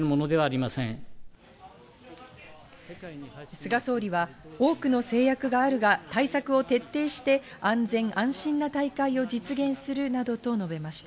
菅総理は多くの制約があるが、対策を徹底して安全・安心な大会を実現するなどと述べました。